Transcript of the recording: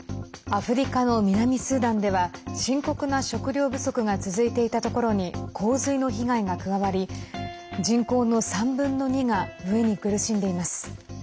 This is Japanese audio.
アフリカの南スーダンでは深刻な食糧不足が続いていたところに洪水の被害が加わり人口の３分の２が飢えに苦しんでいます。